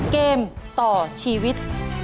เกมต่อชีวิต